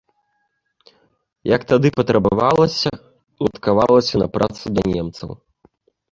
Як тады патрабавалася, уладкавалася на працу да немцаў.